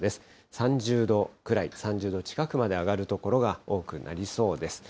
３０度くらい、３０度近くまで上がる所が多くなりそうです。